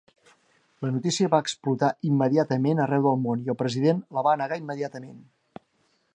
La notícia va explotar immediatament arreu del món i el president la va negar immediatament.